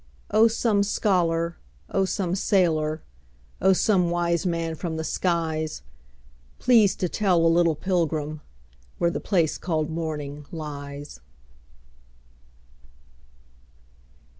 Oh some scholar, oh some sailor, Oh some wise man from the skies, Please to tell a little pilgrimWhere the place called morning lies.